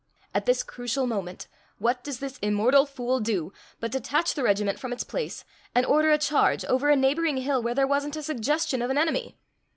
At this crucial moment, what does this immortal fool do but detach the regiment from its place and order a charge over a neighboring hill where there wasn't a suggestion of an enemy!